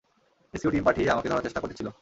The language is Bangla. রেসকিউ টিম পাঠিয়ে আমাকে ধরার চেষ্টা করেছিল।